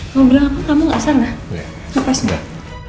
kau bilang apa kamu gak salah